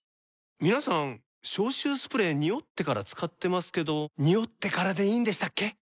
皆さん消臭スプレーニオってから使ってますけどニオってからでいいんでしたっけ？